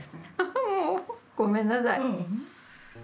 フフもうごめんなさい。